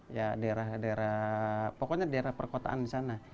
ya daerah daerah pokoknya daerah perkotaan di sana